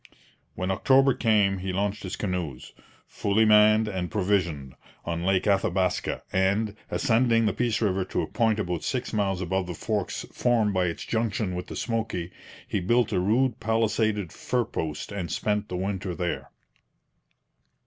When October came he launched his canoes, fully manned and provisioned, on Lake Athabaska, and, ascending the Peace river to a point about six miles above the forks formed by its junction with the Smoky, he built a rude palisaded fur post and spent the winter there.